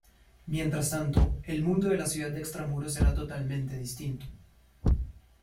Mientras tanto, el mundo de la ciudad de extramuros era totalmente distinto.